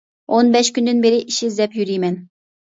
ئون بەش كۈندىن بېرى ئىش ئىزدەپ يۈرىمەن.